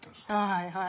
はいはい。